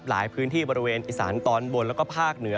หลายพื้นที่บริเวณอิสานตอนบนแล้วก็ภาคเหนือ